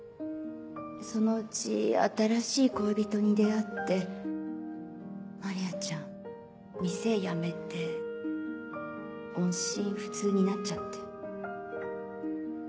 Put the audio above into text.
そのうち新しい恋人に出会ってマリアちゃん店やめて音信不通になっちゃって。